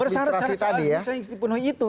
bersyarat syarat bisa dipenuhi itu